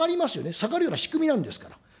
下がるような仕組みなんですから。